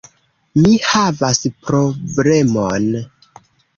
Mi havas problemon!